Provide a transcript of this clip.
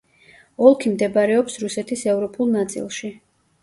ოლქი მდებარეობს რუსეთის ევროპულ ნაწილში.